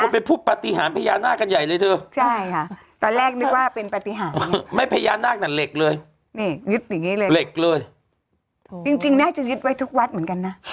ก็เป็นผู้ปฏิหารพญานาคกันใหญ่เลยเธอ